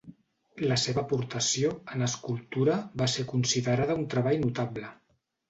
La seva aportació, en escultura, va ser considerada un treball notable.